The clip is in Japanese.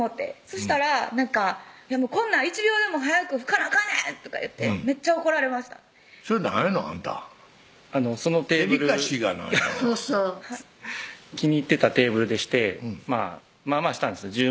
したら「こんなん１秒でも早く拭かなあかんねん！」とか言ってめっちゃ怒られましたそれ何やの？あんたそのテーブルデリカシーがないわ気に入ってたテーブルでしてまあまあしたんです１０